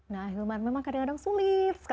nah hilman memang kadang kadang sulit